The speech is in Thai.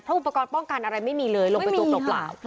เพราะอุปกรณ์ป้องกันอะไรไม่มีเลยลงไปตรงตรงเปล่า